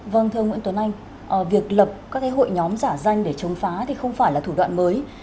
vâng thưa ông nguyễn tuấn anh việc lập các hội nhóm giả danh để chống phá thì không phải là thủ đoạn mới